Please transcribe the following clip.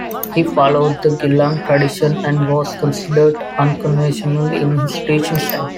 He followed the Gelug tradition, and was considered unconventional in his teaching style.